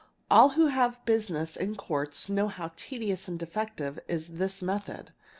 All who have business in courts know how tedious and defective is this — method.